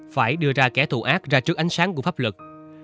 phải đưa ra kẻ thù ác ra trước ánh sáng của pháp luật